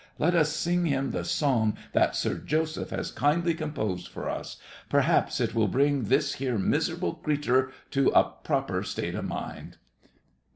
Let us sing him the song that Sir Joseph has kindly composed for us. Perhaps it will bring this here miserable creetur to a proper state of mind.